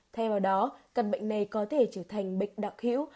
thay vào đó căn bệnh này có thể trở thành bệnh đặc hữu